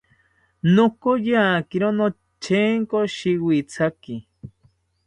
Nokayakiro notyenko shiwithaki